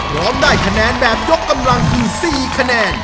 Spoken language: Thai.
ร้องได้คะแนนแบบยกกำลังคือ๔คะแนน